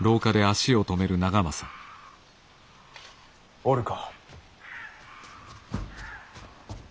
おるか。